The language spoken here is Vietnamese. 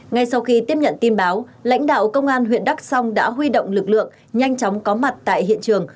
ngay sau khi tiếp nhận tin báo lãnh đạo công an huyện đắk song đã huy động lực lượng nhanh chóng có mặt tại hiện trường